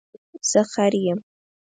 زه خر یم